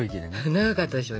長かったでしょ？